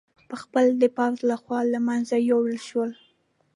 په خپله د پوځ له خوا له منځه یووړل شول